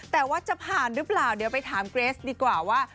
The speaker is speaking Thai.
แต่ว่าจะผ่านหรือเปล่าเดี๋ยวไปถามเกรสดีกว่าว่า